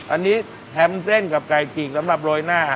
อันนี้แฮมเส้นกับไก่จิกสำหรับโรยหน้า